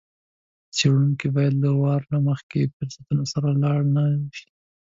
څېړونکی باید له وار له مخکې فرضونو سره لاړ نه شي.